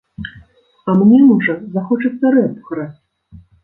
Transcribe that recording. А мне, можа, захочацца рэп граць!